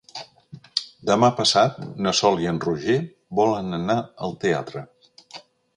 Demà passat na Sol i en Roger volen anar al teatre.